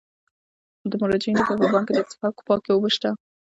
د مراجعینو لپاره په بانک کې د څښاک پاکې اوبه شته.